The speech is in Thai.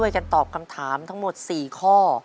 และตอบถูกทั้งหมด๔ข้อ